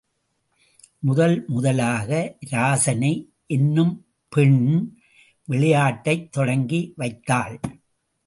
முதல் முதலாக இராசனை என்னும் பெண் விளையாட்டைத் தொடங்கி வைத்தாள்.